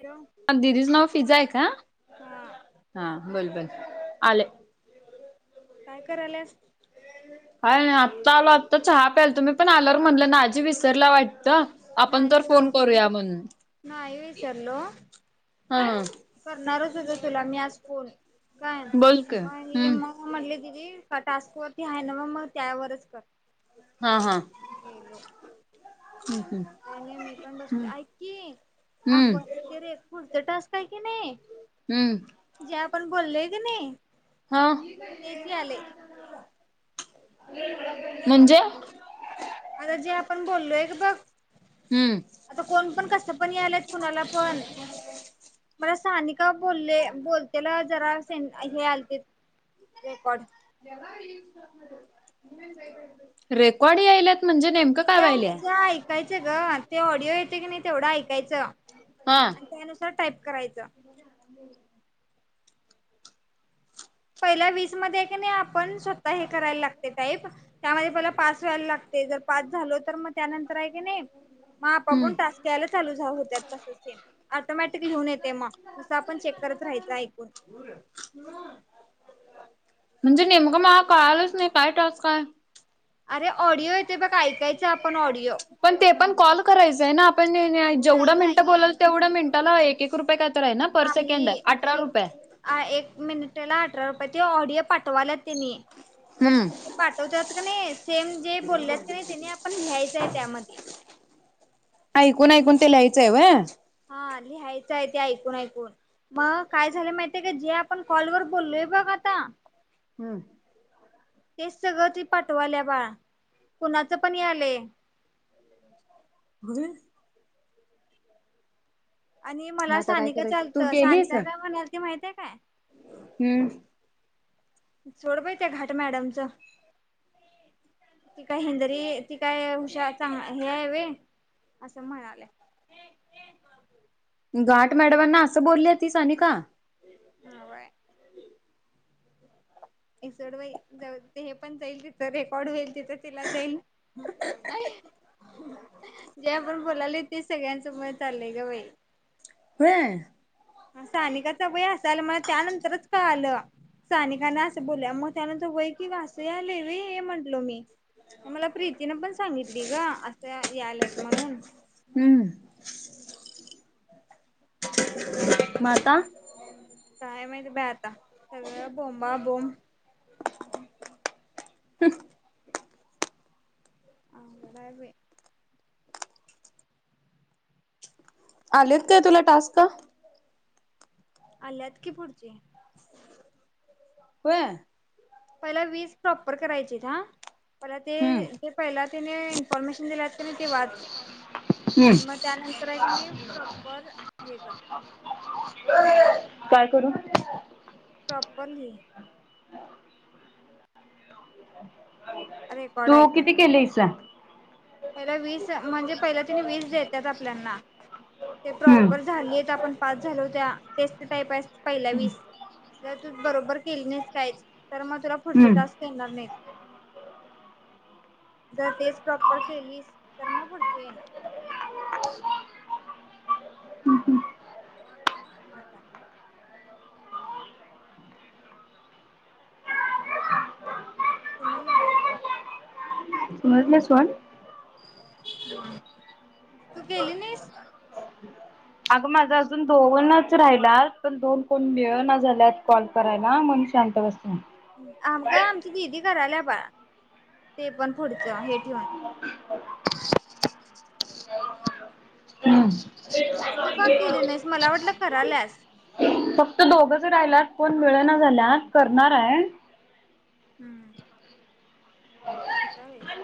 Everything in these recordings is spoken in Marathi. हॅलो दिदीचं नाव फिजा आहे का हा हा बोल बोल आले काय करायलास हय नाही आत्ता आलो आत्ता चहा प्याला तुम्ही पण आलोवर म्हणलं ना आजी विसरला वाट तर आपण तर फोन करूया म्हणून ना वेसलो हा करणारच होत तुला मी आज फोन काय ना बोल की मग हे हम्म. मग म्हटले दिदी टास्क वरती आहे ना मग मग त्यावरच कर हा मग हा हम्म का नाही मी पण बसल ऐ क आपण हम्म रे खू तेट अस काय की नाही हम्म ते आपण बोलले की नाही हा तेच यालय म्हणजे आता जे आपण बोललोय की बघ हम्म आता कोण पण कस पण यायलायत कुणाला पण मला सान का बोलले बोलतेला जरा सें हे आलते रेकॉर्ड रेकॉड ह आला े म्हझे ऐकायचं ग ते ऑडिओ येते की नाही तेवढा ऐक यच आणि त्यानुसार टाईप करायचं त आंद पहिला वीस मध्ये की नाही आपण स्वतः हे करायला लागते टाईप त्यामध्ये प पाच वयला लाग ते जर पाच झाल तर मग त्यानंतर आहे का नाही मग हम्म आपपण टक घ्यायला चालूत तस सेम ऑटोमॅटिक लिहून येते मग तु आपण चेक करत राहायचं ऐकून म्हणजे नेमक मग कळालंच नाही पाय टस काय अरे ऑडिओ येते बघ ऐकायचं आपण ऑडिओ पण ते पण कॉल करायचंय ना आपण नाही जेवढं मिनट नाही बोलाल तेवढ्या मिनटाला एक रुपय नाही एक एक मिनिटेला अठरा रुपये ते ऑडिओ पाठवाला तेनी हम्म ते पाठवतात क नाही सेम जे बोलल्यात क नाही तेने आपण लिहायचंय त्यामध्ये ऐकून ऐकून ते लियचं आहेव हा लिहायचं आहे ते ऐकून ऐकून मग काय झाले माहिितय का जे आपण कॉलवरर बोललो तेप कता हम्म तेच सगळं त पाठवाल्या बाळ कुणाचं पण आले [unintelligible] ह आणि मग मला आता काय सानिका करायचं तू चालतं केलीस सानिका काय म्हणाल ते माहितय काय हम्म सोड पाय त्या घाट मॅडमच त का हंदरी ति काय हुशार चांग हे आहे व असं म्हणालेय घाट मॅडमांना असं बोलली ती सा आणि का ह काय एसोड व जाऊ हे पण जाईल रेकॉर्ड होईल तिथं तिला जाईल जे आपण बोलाले ते सगळ्यांचं मत चाललंय ग बाई होय असनिकाचा वया असाल मला त्यानंतरच का आलं सानिकांना असं बोल मग त्यानच वै कि वासूयाले र हे म्हटलो मी मला प्रीतीने पण सांगितली ग आत्ता याल्यात म्हणून. हम्म. हु म आता काय माहित बाई आता, सगळं बोमबा बोम. हु काय बाई आलेत काय तुला टास्क? आल्यात की पुढचे. होय. पहिला वीस प्रॉपर करायची हा, हम्म परते पहिला त्यांनी न्फॉर्मेशन दिलेत क नाइ ते वाच. हम्म म त्यानंतरय क नाइ प्रॉपर हे कर काय करू? प्रॉपर लिही. रेकॉर्ड तू ऐकून किती केलीस? पहिला वीस म्हणजे पहिला आणि वीस देत्यात आपल्याना. ते हम्म प्रॉपर झालीत, आपण पास झालो त्या टेस्ट टाईपय पहिल्या वीस. जर तू बरोबर केली नाइस काइच तर मग तुला पुढचे हम्म टास्क येणार नाइत. जर तेच प्रॉपर केलीस तर म पुढचे येणार. अ का तू म्हणल काय? तु म मिसवन [unintelligible] तू गेली नाइस? अगं माझा अजून दोनच राहिल्यात पण दोन कोण मिळना झाल्यात कॉल करायला म्ह शांत बस आमग आमची दिदी कराला बाळ, ते पण पुढचं हे ठेवून तू का केली नाइस? मला वाटलं करायलस. फक्त दोघंच राहिल्यात कोण मिेळना झाल्यात करणारय. हम्म. तुझ्या वेस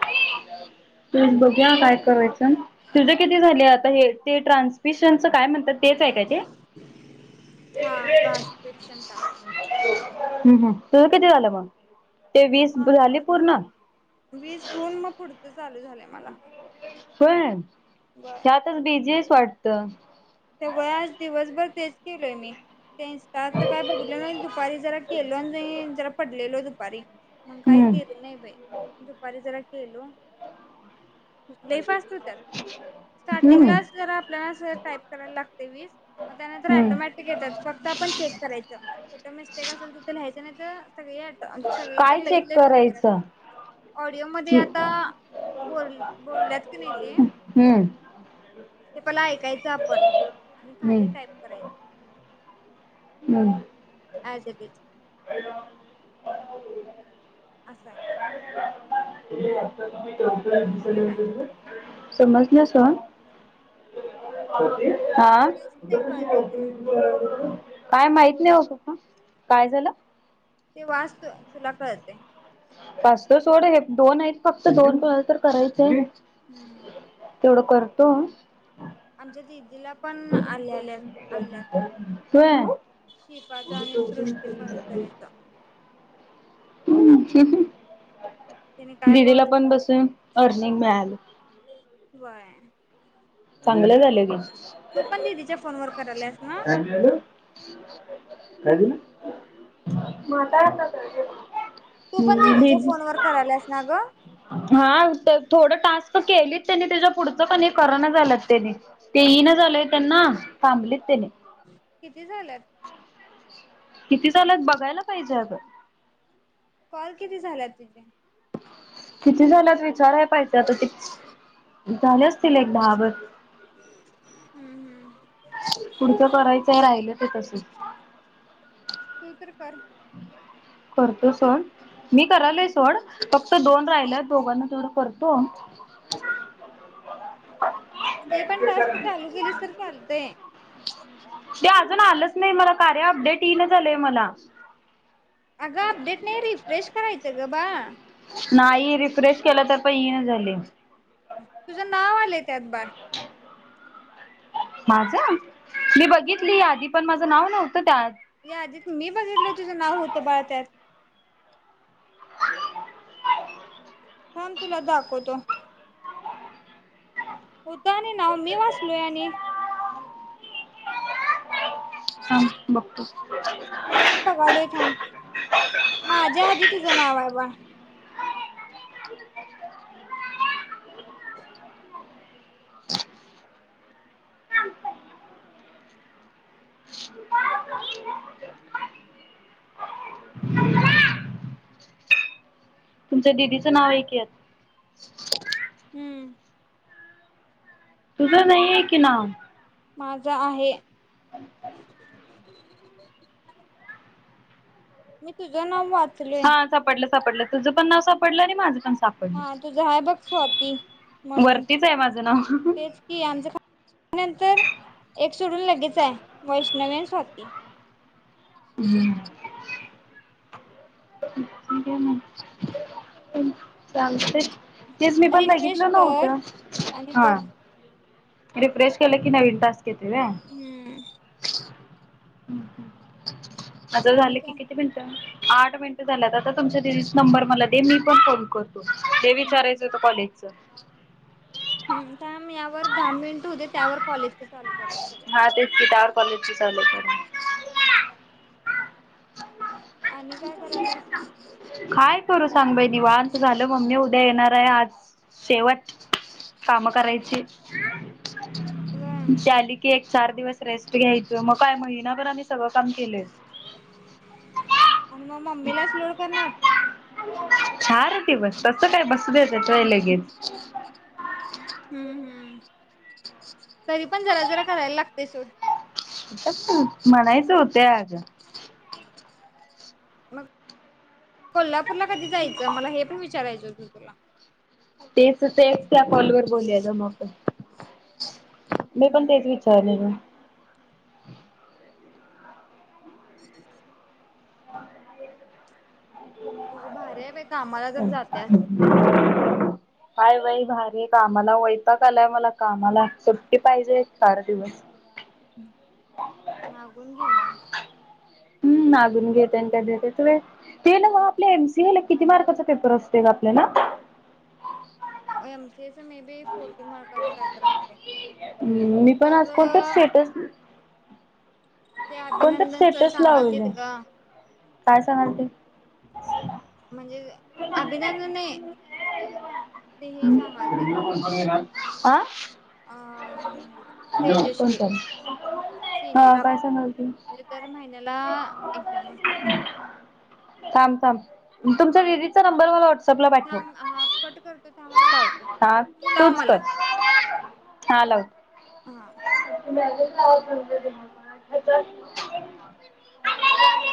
तु बघू काय करायचं, तुझे किती झाले? आता हे ते ट्रान्सफिशनच काय म्हण तर तेचय काय ते? हा ट्रान्स्क्रिप्शन टास्क हम्म, हम् तुझ किती झाले मग? ते वीस म झाले पूर्ण वीस होून मग पुढचं चालू झालंय मला. होय. त्यातच बीजीयस वाटत? सवय आज दिवसभर तेच केलोय मी. ते इस्टा वरचं काय बघीतलो, नाइ दुपारी जरा केलो जरा पडलेलो दुपारी. मग काय हम्म केलो नाइ बाई, दुपारी जरा केलो. लय फास्ट होत्यात हम्म स्टार्टिंगला जरा आपल्याला टाईप करायला लागतय वीस, म त्यानंतर हम्म ऑटोमॅटिक येत्यात फक्त आपण चेक करायचंय कुठे मिस्टेक असेल तिथ लिहायचं नाय तर सगळी अटो सगळी तर काय लई तर चेक लई बरोबर करायचं असत्यात. ऑडिओमध्ये आता हम्म बोल बोलल्यात की नाई ते हम्म ते पला ऐकायचं आपण आणि खाली हम्म टाईप करायच. हम् आजगेच [unintelligible] असं आहे समजलं काय [unintelligible] समजण्यास हा तुलाच ते कळते तुला काय माहित नाही हो पप्पा, काय झालं? ते वासू तुला कळते पासत सोड दोन आहेत फक्त दोन कोणाला तर करायचं आहे हम्म तेवढं करतो आमच्या दि होय शिपाचा आणि सृष्टी फळकऱचा हम् हम तिने हम काय दिदीला बोललं पण बसून अर्निंग मिळाली होय चांगले झाल की. तू पण दिदीच्या फोनवर कराल्यास ना काय झालं मग आता? तू पण दिदीच्या दीदी फोनवर करायल्यास ना ग हम्म हा तर थोडं टास्क केलीत त्यांनी त्याच्या पुढचं कणी हे करना झालं त्यांनी ते ईना झालय त्यांना थांबलीत त्यानी किती झाल्यात? किती चालूईत बघायला पाहिजे अगं? कॉल किती झाल्यात तुझे? किती झाल्यात विचाराय पाहिजे आता ते झाले असतील एक दहाबर हम्म हम्म पुढचं करायचं राहिलं ते तस? तु तर कर करतो सोड मी करालोय सोड प त दोन राहिलेत दोघांना तेवढं करतो [inaudible] ते पण टास्क चालू केलीस तर चालतंय ते अजून आलंच नाही मला कार्य अपडेट ईना झालंय मला अगं अपडेट नाही रिफ्रेश करायचं ग बाळ नाही रिफ्रेश केला तर पण ईना झालय तुझं नाव आलंय त्यात बाळ माझं मी बघितली यादी पण माझं नाव नव्हतं त्यात? या यादीत मी बघितलय तुझं नाव होतं बाळ त्यात थांब तुला दाखवतो. होत आणि नाव मी वाचलोय आणि थांब बघतो. मीच बघालोय थांब माझ्या आधी तुचं नाव आहे बाळ तुमच्या दिदीचं नाव आहे की यात - हम्म तुझं नाहीये की नाव माझ आहे मी तुझं नाव वा हा सापडलं सापडलं तुझं पण नाव सापडलं आणि माझं पण सा हा तुझ हाय बघ स्वाती म्हणून वरतीच आहे माझं ना तेच कि आमचं नंतर एक सोडून लगेच आहे वैष्ण नवीन स्वाती हम् [unintelligible] तेच मी पण रिफ्रेश बघितलं कर नव्हतं आणि हा बघ रिफ्रेश केलकी नवीन टास्क येतोय व्हय - ह् हम्म ह माझं आणि झालं कि किती मिनट आठ मिनटं झाल्यात आता तुमच्या दिदीच नंबर मला दे मी पण फोन कर ते काय विचारायचं होत कॉलेजच हम्म थांब यावर दहा मिनिट होउदे त्यावर कॉलेजच चालू करूया सगळ. हा तेच की त्यावर कॉलेजच चालू करा. आणि काय कराल्यास. काय करू सांग बाई निंवात झालं मम्मी उद्या येणार आहे आज शेवट. काम करायची व्हय ती आली की एक. चार दिवस रेस्ट घ्यायचं मग काय महिनाभर आम्ही सगळं काम केलं. आणि मग मम्मीलाच लोड करणार. चार दिवस तसं काय बस द्याेतेत होय लगेच. हम्म हम्म तरी पण जरा जरा करायला लागते सूड. [unintelligible] म्हणायच होते आज [inaudible] मग [inaudible] कोल्हापूरला कधी जायचं मला हे पण विचारायचं होत तुला. ते सुद्ध एस्ट्रा कॉल वर बोलयच मग. मी पण हम्म तेच विचारलेल. [inaudible] तुझ्या भारी आहे बाई. कामाला जर जात्यास. [unintelligible] काय बाई भारी कामाला वैता कालाय मला कामाला सुट्टी पाहिजे एक चार दिवस. हम्म मागून घे म. हम् मागून घे त्यांनी काय देत्त होय. ते नव आपल्या एमसीला किती मार्काचा पेपर असते का आपल्याला. [inaudible] एम स. मे बी फोर्टी मारकाच काहीत असते मी पण आज कोणतर तर. [inaudible] कोणत अभिनंदन सर स्टेटस लावल सांगालतीत ग काय सांगालती. म्हणजे अभिनंदन नाही ते हे सांगाल ते. आं. अ हम्म. [unintelligible] कोणत सिनियर आपली म्हणजे तर महिन्याला एक्झाम असते. थांब थांब तुमचा दिदीचा नंबर मला वट. हा कट करतो थांमान लावतो हा तू लाव तूच कर मला. हा लाव. हा [unintelligible] [unintelligible]